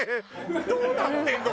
どうなってるの？